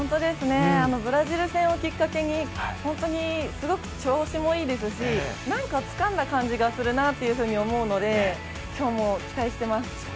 ブラジル戦をきっかけに、本当にすごく調子もいいですし何かつかんだ感じがするなと思うので今日も期待してます。